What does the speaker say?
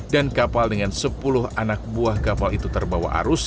dan kapal dengan sepuluh anak buah kapal itu terbawa arus